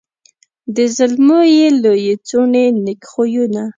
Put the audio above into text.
د زلمو یې لويي څوڼي نېک خویونه